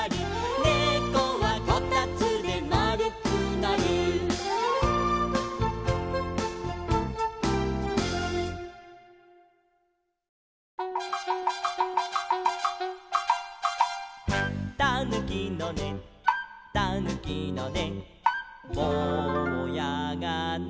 「ねこはこたつで丸くなる」「たぬきのねたぬきのねぼうやがね」